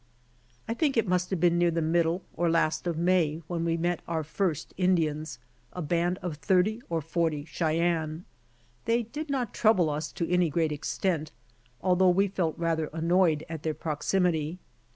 I think it must have been near the middle or last of May when we met our first Indians, a band of thirty or forty Cheyennes. They did not trouble us to any great extent, although we felt rather annoyed at their proximity.